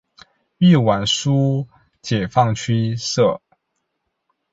豫皖苏解放区设。